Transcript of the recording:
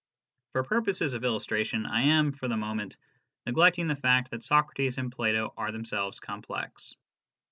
(For purposes of illustration, I am for the moment neglecting the fact that Socrates and Plato are themselves complex.)